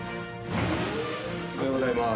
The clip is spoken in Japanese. おはようございます。